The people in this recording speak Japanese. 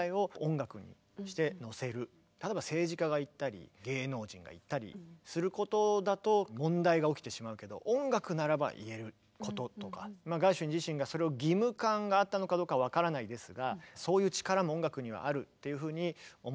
例えば政治家が言ったり芸能人が言ったりすることだと問題が起きてしまうけどガーシュウィン自身がそれを義務感があったのかどうか分からないですがそういう力も音楽にはあるっていうふうに思ったんじゃないかなと。